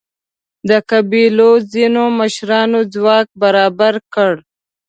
د قبیلو ځینو مشرانو ځواک برابر کړ.